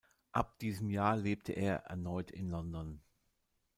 Ab diesem Jahr lebte er erneut in London.